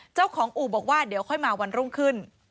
เจ้าของอู่บอกว่าเดี๋ยวค่อยมาวันรุ่งขึ้น